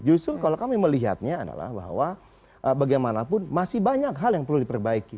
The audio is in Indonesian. justru kalau kami melihatnya adalah bahwa bagaimanapun masih banyak hal yang perlu diperbaiki